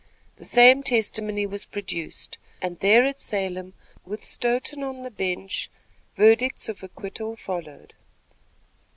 The same testimony was produced, and there at Salem, with Stoughton on the bench, verdicts of acquittal followed.